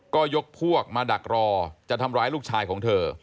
ก็ยกพวกมาดักรอจะทำร้ายลูกชายของเธอ